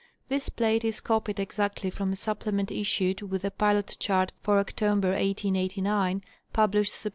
This plate is copied exactly from a Supplement issued with the Pilot Chart for October, 1889 (published Sept.